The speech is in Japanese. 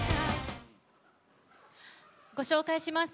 ご紹介します。